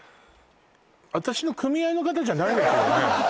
私の組合の方じゃないですよね？